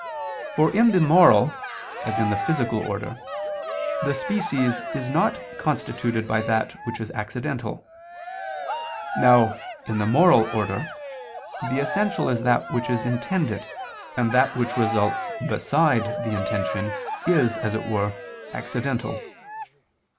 For in the moral, as in the physical order, the species is not constituted by that which is accidental. Now, in the moral order, the essential is that which is intended, and that which results beside the intention, is, as it were, accidental.